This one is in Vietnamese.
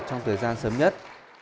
trong thời gian sớm nhất